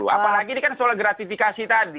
apalagi ini kan soal gratifikasi tadi